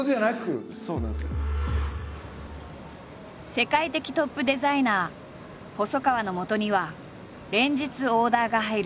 世界的トップデザイナー細川のもとには連日オーダーが入る。